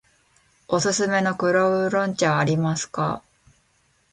おすすめの黒烏龍茶はありますか。